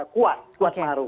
kuat kuat paruh